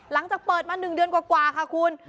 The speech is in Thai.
หลังจากเปิดมา๑เดือนกว่าค่ะคุณ